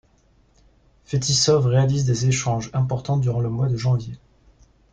Fetissov réalise des échanges importants durant le mois de janvier.